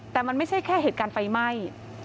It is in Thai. แต่มันไม่ใช่แค่เหตุการณ์ไฟไหม้